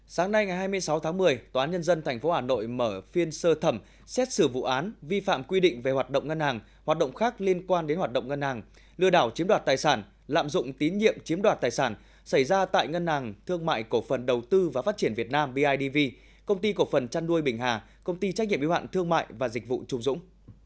sáng nay ngày hai mươi sáu tháng một mươi tòa án nhân dân tp hà nội mở phiên sơ thẩm xét xử vụ án vi phạm quy định về hoạt động ngân hàng hoạt động khác liên quan đến hoạt động ngân hàng lừa đảo chiếm đoạt tài sản lạm dụng tín nhiệm chiếm đoạt tài sản xảy ra tại ngân hàng thương mại cổ phần đầu tư và phát triển việt nam bidv công ty cổ phần trăn đuôi bình hà công ty trách nhiệm yếu hạn thương mại và dịch vụ trung dũng